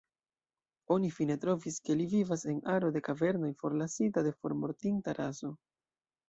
Oni fine trovis ke li vivas en aro de kavernoj, forlasita de formortinta raso.